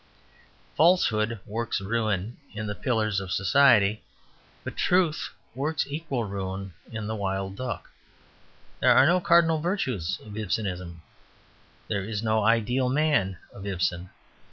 Falsehood works ruin in THE PILLARS OF SOCIETY, but truth works equal ruin in THE WILD DUCK. There are no cardinal virtues of Ibsenism. There is no ideal man of Ibsen.